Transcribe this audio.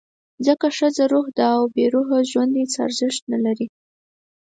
ځکه ښځه د ژوند «روح» ده، او بېروحه ژوند هېڅ ارزښت نه لري.